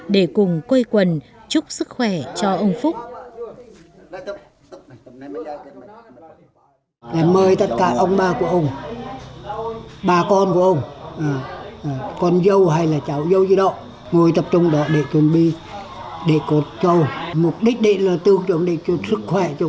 ra giữa nhà để cùng quê quần chúc sức khỏe cho ông phúc